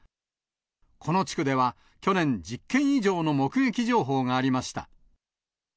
この地区では、去年１０件以上の目撃情報がありました。